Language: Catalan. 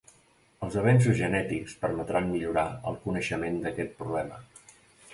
Els avenços genètics permetran millorar el coneixement d'aquest problema.